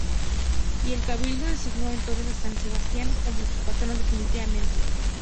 Y el Cabildo designó entonces a San Sebastián como su patrón definitivamente.